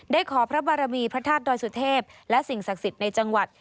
ขอพระบารมีพระธาตุดอยสุเทพและสิ่งศักดิ์สิทธิ์ในจังหวัด